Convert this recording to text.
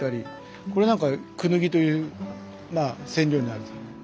これなんかクヌギというまあ染料になるんですけどね。